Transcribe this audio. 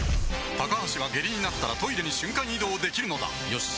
高橋は下痢になったらトイレに瞬間移動できるのだよし。